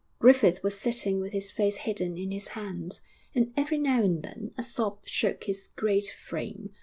Griffith was sitting with his face hidden in his hands, and every now and then a sob shook his great frame.